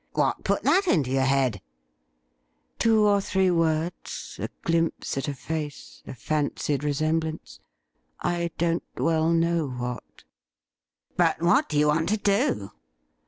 ' What put that into your head .?'' Two or three words, a glimpse at a face, a fancied re semblance — I don't well know what.' ' But what do you want to do